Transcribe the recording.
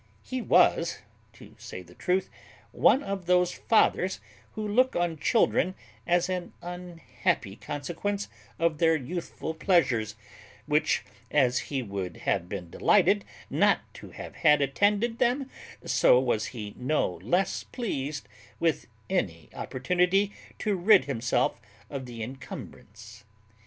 He was, to say the truth, one of those fathers who look on children as an unhappy consequence of their youthful pleasures; which, as he would have been delighted not to have had attended them, so was he no less pleased with any opportunity to rid himself of the incumbrance.